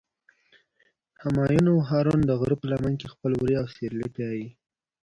همایون او هارون د غره په لمن کې خپل وري او سرلي پیایی.